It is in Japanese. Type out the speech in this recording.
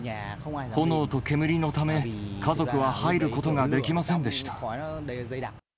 炎と煙のため、家族は入ることができませんでした。